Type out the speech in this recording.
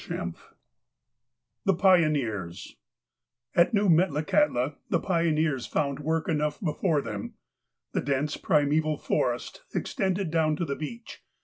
XXXV THE PIONEERS AT New Metlakahtla the pioneers found work enough before them. The dense, primeval forest extended down to the beach.